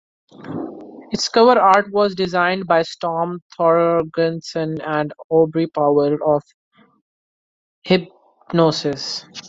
Its cover art was designed by Storm Thorgerson and Aubrey Powell of Hipgnosis.